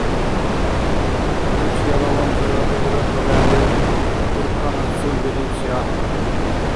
Турцияла ванзара Кьудратла вегӀли турканасцун бедибси ахӀен.